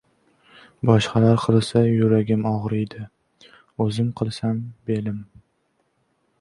• Boshqalar qilsa yuragim og‘riydi, o‘zim qilsam — belim.